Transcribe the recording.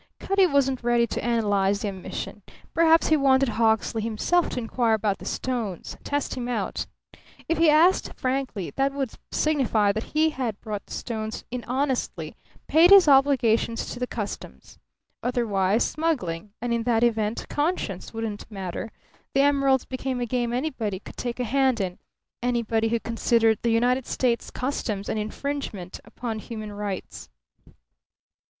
Cutty wasn't ready to analyze the omission. Perhaps he wanted Hawksley himself to inquire about the stones; test him out. If he asked frankly that would signify that he had brought the stones in honestly, paid his obligations to the Customs. Otherwise, smuggling; and in that event conscience wouldn't matter; the emeralds became a game anybody could take a hand in anybody who considered the United States Customs an infringement upon human rights.